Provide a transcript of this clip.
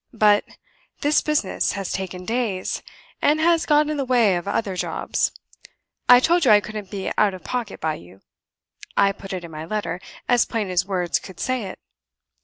But this business has taken days, and has got in the way of other jobs. I told you I couldn't be out of pocket by you I put it in my letter, as plain as words could say it."